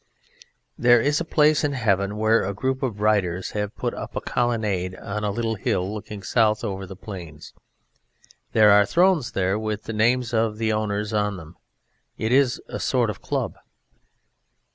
There is a place in heaven where a group of writers have put up a colonnade on a little hill looking south over the plains. There are thrones there with the names of the owners on them. It is a sort of Club.